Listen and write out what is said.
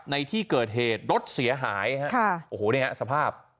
ในที่เกิดเหตุรถเสียหายฮะโอ้โหนี่ฮะสภาพ